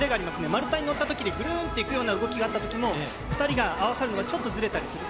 丸太に乗ったときに、ぐるーんっていくような動きがあったときも、２人が合わさるのがちょっとずれたりする。